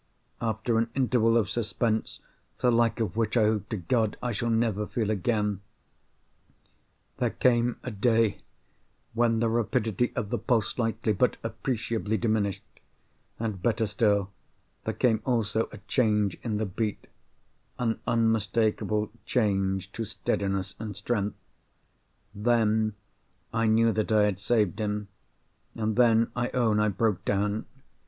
After an interval of suspense—the like of which I hope to God I shall never feel again—there came a day when the rapidity of the pulse slightly, but appreciably, diminished; and, better still, there came also a change in the beat—an unmistakable change to steadiness and strength. Then, I knew that I had saved him; and then I own I broke down.